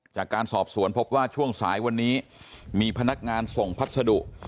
จากการสอบสวนพบว่าช่วงสายวันนี้มีพนักงานส่งพัสดุ